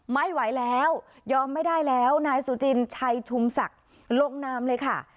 ไม่ไหวแล้วยอมไม่ได้แล้วนายสุจินชัยชุมศักดิ์ลงนามเลยค่ะ